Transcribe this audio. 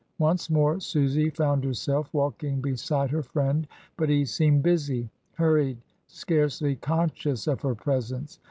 Once more Susy found herself walking be side her friend, but he seemed busy, hurried, scarcely conscious of her presence.